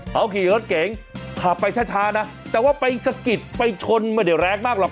เขาขี่รถเก๋งขับไปช้านะแต่ว่าไปสะกิดไปชนไม่ได้แรงมากหรอก